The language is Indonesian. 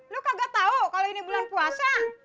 lu kagak tau kalo ini bulan puasa